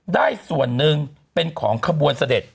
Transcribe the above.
ได้ส่วนหนึ่งเป็นของขบวนเสด็จ